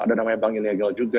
ada yang namanya bank ilegal juga